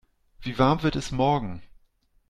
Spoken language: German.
Wie warm wird es morgen?